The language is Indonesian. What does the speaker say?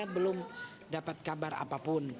belum dapat kabar apapun